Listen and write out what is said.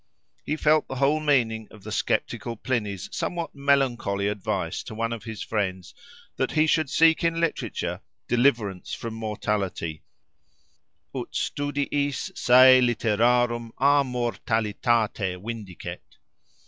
He felt the whole meaning of the sceptical Pliny's somewhat melancholy advice to one of his friends, that he should seek in literature deliverance from mortality—ut studiis se literarum a mortalitate vindicet.